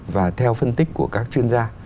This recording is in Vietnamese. và theo phân tích của các chuyên gia